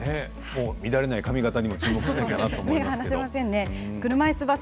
乱れない髪形にも注目したいなと思いますけど。